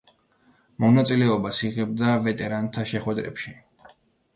მონაწილეობას იღებდა ვეტერანთა შეხვედრებში.